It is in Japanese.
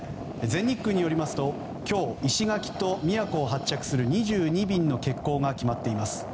全日空によりますと今日、石垣と宮古を発着する２２便の欠航が決まっています。